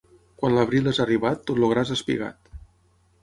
Quan l'abril és arribat tot el gra és espigat.